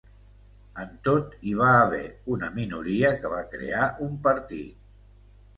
En tot, hi va haver una minoria que va crear un partit.